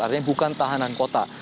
artinya bukan tahanan kota